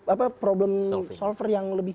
apa problem solver yang lebih